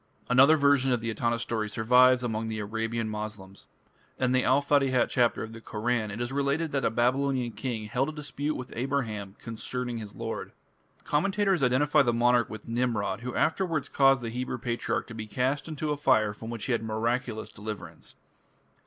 " Another version of the Etana story survives among the Arabian Moslems. In the "Al Fatihat" chapter of the Koran it is related that a Babylonian king held a dispute with Abraham "concerning his Lord". Commentators identify the monarch with Nimrod, who afterwards caused the Hebrew patriarch to be cast into a fire from which he had miraculous deliverance.